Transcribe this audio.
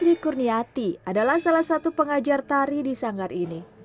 sri kurniati adalah salah satu pengajar tari di sanggar ini